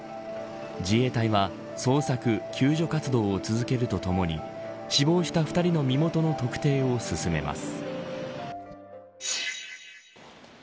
自衛隊は捜索救助活動を続けるとともに死亡した２人の身元の特定を進めます。